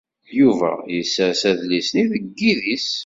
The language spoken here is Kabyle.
Yuba yessers adlis-nni deg yidis.